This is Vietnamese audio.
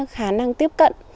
khả năng tiếp cận